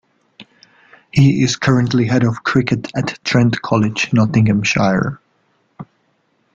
He is currently Head of Cricket at Trent College, Nottinghamshire.